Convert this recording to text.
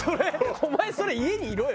お前それ家にいろよ！